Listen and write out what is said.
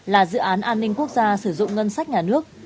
là dự án an ninh quốc gia sử dụng ngân sách nhà nước